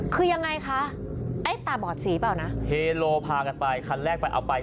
คือยังไงคะไอ้ตาบอดสีเปล่านะเฮโลพากันไปคันแรกไปเอาไป